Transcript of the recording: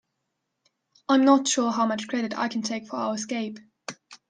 I'm not sure how much credit I can take for our escape.